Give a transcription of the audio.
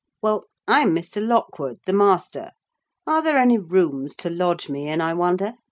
"Well, I'm Mr. Lockwood, the master. Are there any rooms to lodge me in, I wonder?